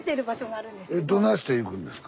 どないして行くんですか？